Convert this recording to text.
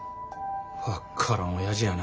分からんおやじやな。